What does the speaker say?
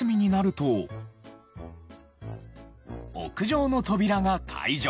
屋上の扉が解錠。